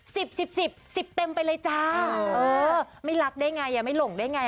สิบสิบสิบเต็มไปเลยจ้าเออไม่รักได้ไงอ่ะไม่หลงได้ไง